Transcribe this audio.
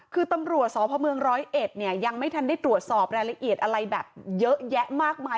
คือตำรวจสพเมืองร้อยเอ็ดเนี่ยยังไม่ทันได้ตรวจสอบรายละเอียดอะไรแบบเยอะแยะมากมาย